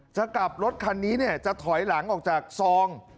จะกลับรถคันนี้จะถอยหลังออกจากซอง